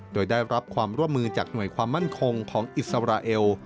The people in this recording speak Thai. โดยได้รับความร่วมมือจากหน่วยความมั่นคงของอิสราเอล